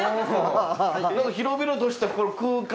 広々としたこの空間。